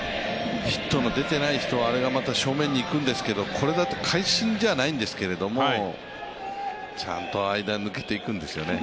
ヒットの出ていない人はあれがまた正面にいくんですけどこれだと会心じゃないんですけどもちゃんと間を抜けていくんですよね。